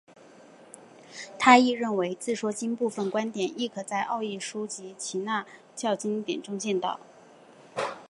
他亦认为自说经部份观点亦可在奥义书及耆那教经典中见到。